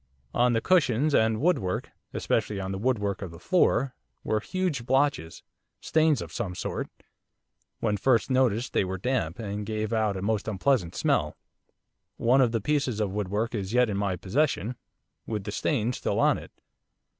On the cushions and woodwork especially on the woodwork of the floor were huge blotches, stains of some sort. When first noticed they were damp, and gave out a most unpleasant smell. One of the pieces of woodwork is yet in my possession, with the stain still on it.